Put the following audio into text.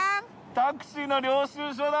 タクシーの領収書だ！